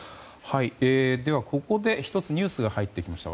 ここで１つニュースが入ってきました。